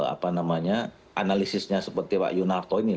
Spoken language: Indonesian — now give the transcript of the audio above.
apa namanya analisisnya seperti pak yunarto ini